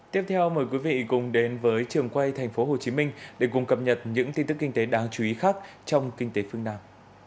tiếp theo mời quý vị cùng đến với trường quay tp hcm để cùng cập nhật những tin tức kinh tế đáng chú ý khác trong kinh tế phương nam